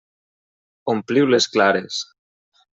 Ompliu les clares.